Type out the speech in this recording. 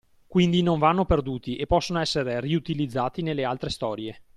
Quindi non vanno perduti e possono essere riutilizzati nelle altre storie.